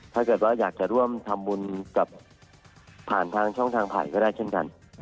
ถ้าเกิดว่าอยากจะร่วมทำบุญกับผ่านทางช่องทางผ่านก็ได้เช่นกัน